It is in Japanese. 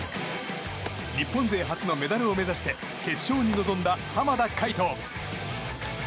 日本勢初のメダルを目指して決勝に臨んだ濱田海人。